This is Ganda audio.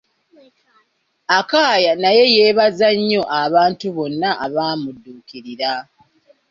Akaya naye yeebaza nnyo abantu bonna abaamuddukirira.